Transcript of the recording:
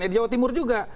ya di jawa timur juga